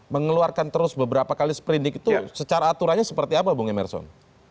mengeluarkan terus beberapa kali seprindik itu secara aturannya seperti apa bung emerson